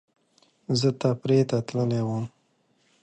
زه تفریح ته تللی وم